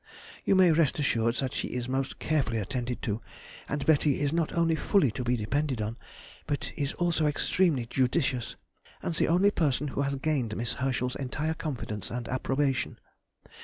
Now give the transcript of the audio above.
... You may rest assured that she is most carefully attended to, and Betty is not only fully to be depended upon, but is also extremely judicious, and the only person who has gained Miss Herschel's entire confidence and approbation....